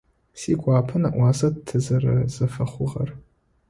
Сигуапэ нэӏуасэ тызэрэзэфэхъугъэр.